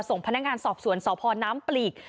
ส่งพนักงานสอบสวนสพน้ำปลีก